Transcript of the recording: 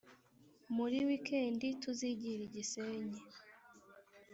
muri weekend tuzigire igisenyi